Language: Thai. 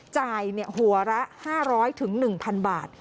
จ่ายหัวละ๕๐๐๑๐๐บาท